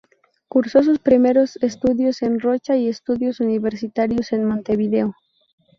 Cursó sus primeros estudios en Rocha, y estudios universitarios en Montevideo.